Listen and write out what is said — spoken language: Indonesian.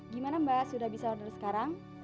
gimana mbak sudah bisa order sekarang